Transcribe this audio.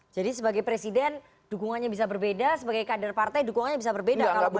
jadi sebagai presiden dukungannya bisa berbeda sebagai kader partai dukungannya bisa berbeda kalau menurut